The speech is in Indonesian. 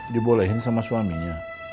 dibolehin sama suaminya